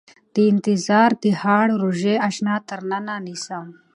د انتظار د هاړ روژې اشنا تر ننه نيسم